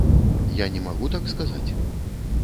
Я не магу так сказаць!